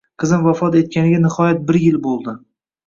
Qizim vafot ztganiga nihoyat bir yil bo'ldi.